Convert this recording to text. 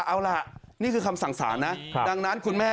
ก็ตอบได้คำเดียวนะครับ